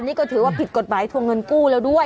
นี่ก็ถือว่าผิดกฎหมายทวงเงินกู้แล้วด้วย